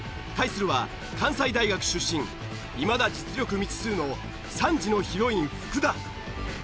対するは関西大学出身いまだ実力未知数の３時のヒロイン福田。